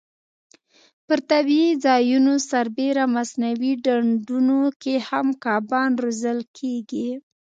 پر طبیعي ځایونو سربېره مصنوعي ډنډونو کې هم کبان روزل کېږي.